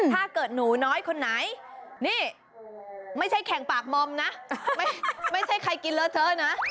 ถ้าเกิดหนูน้อยคนไหนนี่ไม่ใช่แข่งปากมอมนะไม่ใช่ใครกินเลอะเทอะนะ